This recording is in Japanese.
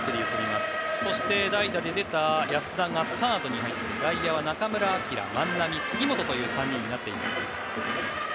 そして、代打で出た安田がサードに入って外野は中村晃、万波、杉本という３人になっています。